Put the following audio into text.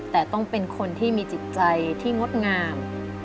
แต่ต้องเป็นคนที่มีจิตใจที่งดงาม